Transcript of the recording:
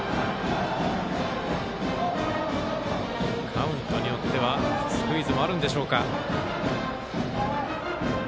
カウントによってはスクイズもあるか。